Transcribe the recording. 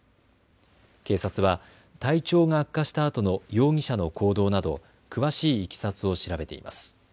警察は体調が悪化したあとの容疑者の行動など詳しいいきさつを調べています。